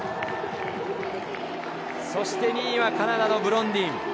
そして２位はカナダのブロンディン。